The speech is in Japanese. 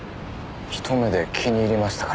一目で気に入りましたから。